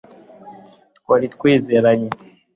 twari twizeranye